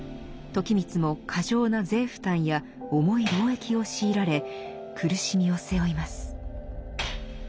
時光も過剰な税負担や重い労役を強いられ苦しみを背負います。